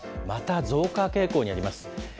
また増加傾向にあります。